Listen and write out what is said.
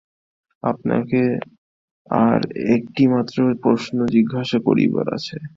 আপনাকে আর একটিমাত্র প্রশ্ন জিজ্ঞাসা করিবার আছে।